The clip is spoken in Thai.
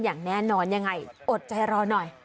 อย่างแน่นอนยังไงอดใจรอหน่อย